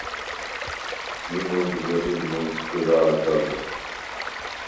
ჟი მჷმზჷრი მჷლჯგჷრა̄გა ლიხ.